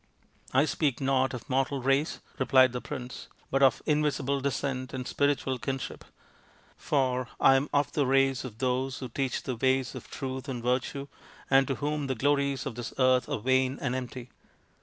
" I speak not of mortal race," replied the prince, " but of invisible descent and spiritual kinship. For I am of the race of those who teach the ways of Truth and Virtue and to whom the glories of this earth are vain and empty.